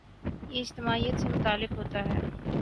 یہ اجتماعیت سے متعلق ہوتا ہے۔